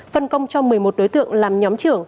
phân công cho một mươi một đối tượng làm nhóm trưởng